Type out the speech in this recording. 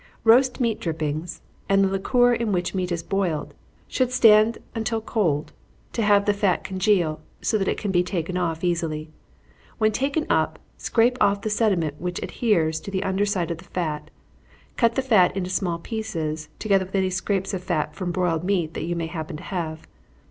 Roast meat drippings, and the liquor in which meat is boiled, should stand until cold, to have the fat congeal, so that it can be taken off easily. When taken up, scrape off the sediment which adheres to the under side of the fat, cut the fat into small pieces, together with any scraps of fat from broiled meat that you may happen to have.